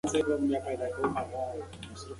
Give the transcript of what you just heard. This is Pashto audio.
دا ودانۍ تر هغې بلې لوړه ده.